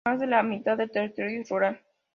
Más de la mitad del territorio es rural.